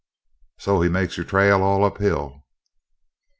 "So he makes your trail all uphill?"